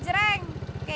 jadi boleh gatuh yokur